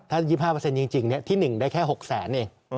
ถ้า๒๕จริงที่๑ได้แค่๖แสนเอง